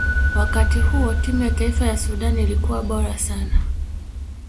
wakati huo timu ya taifa ya sudan ilikuwa bora sana